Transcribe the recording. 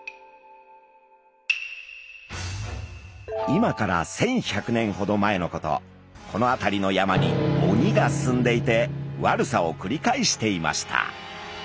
今から１，１００年ほど前のことこの辺りの山に鬼が住んでいて悪さをくり返していました。